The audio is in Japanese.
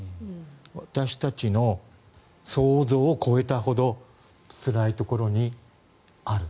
私たちの想像を超えたほどつらいところにある。